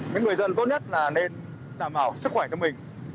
những người dân tốt nhất là nên đảm bảo sức khỏe cho mình